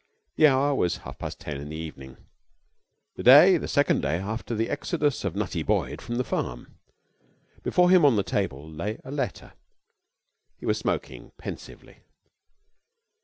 The hour was half past ten in the evening; the day, the second day after the exodus of Nutty Boyd from the farm. Before him on the table lay a letter. He was smoking pensively.